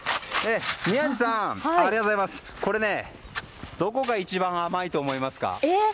宮司さん、これねどこが一番甘いと思いますか？